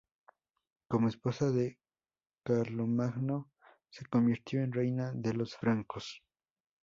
Como esposa de Carlomagno, se convirtió en reina de los francos.